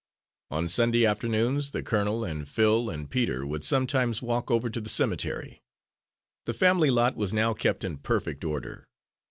On Sunday afternoons the colonel and Phil and Peter would sometimes walk over to the cemetery. The family lot was now kept in perfect order.